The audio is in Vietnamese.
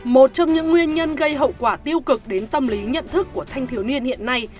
một trong những nguyên nhân gây hậu quả tiêu cực đến tâm lý nhận thức của thanh thiếu niên hiện nay